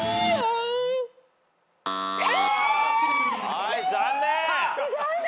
はい残念。